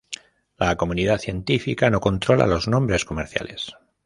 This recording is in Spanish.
La comunidad científica no controla los nombres comerciales.